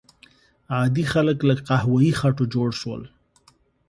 عادي خلک له قهوه یي خټو جوړ شول.